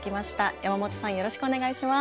山本さんよろしくお願いします。